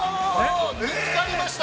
◆見つかりました、